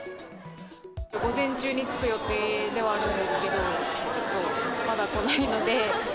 午前中に着く予定ではあるんですけど、ちょっとまだ来ないので。